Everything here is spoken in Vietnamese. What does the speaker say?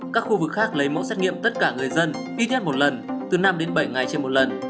các khu vực khác lấy mẫu xét nghiệm tất cả người dân ít nhất một lần từ năm đến bảy ngày trên một lần